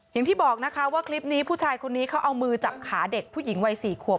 อย่างที่บอกนะคะว่าคลิปนี้ผู้ชายคนนี้เขาเอามือจับขาเด็กผู้หญิงวัย๔ขวบ